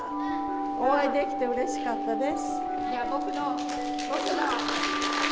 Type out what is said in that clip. お会いできてうれしかったです。